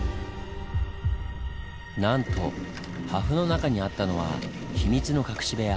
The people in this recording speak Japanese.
なんと破風の中にあったのは秘密の隠し部屋。